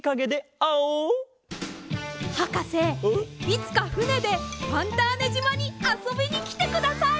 いつかふねでファンターネじまにあそびにきてください。